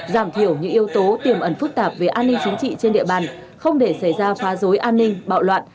giảm thiểu những yếu tố tiềm ẩn phức tạp về an ninh chính trị trên địa bàn không để xảy ra phá dối an ninh bạo loạn